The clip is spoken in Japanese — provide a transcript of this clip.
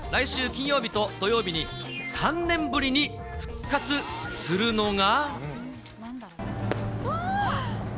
金曜日と土曜日に、３年ぶりに復活するのが。